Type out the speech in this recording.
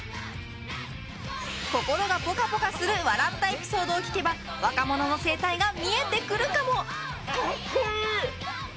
心がぽかぽかする笑ったエピソードを聞けば若者の生態が見えてくるかも？